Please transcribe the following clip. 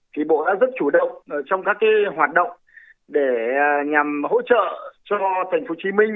thì bộ đã rất chủ động trong các hoạt động để nhằm hỗ trợ cho tp hcm